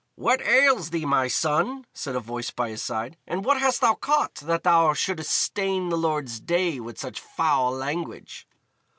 "What ails thee, my son?" said a voice by his side, "and what hast thou caught, that thou shouldst stain the Lord's Day with such foul language?"